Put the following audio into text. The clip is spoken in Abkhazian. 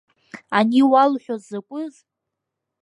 Ани иуалҳәоз закәыз?